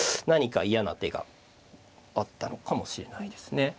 何か嫌な手があったのかもしれないですね